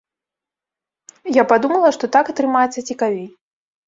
Я падумала, што так атрымаецца цікавей.